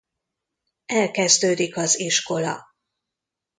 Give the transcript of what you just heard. Elkezdődik az iskola.